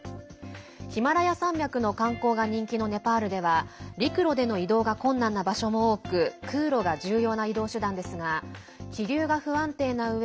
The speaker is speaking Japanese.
ヒマラヤ山脈の観光が人気のネパールでは陸路での移動が困難な場所も多く空路が重要な移動手段ですが気流が不安定なうえ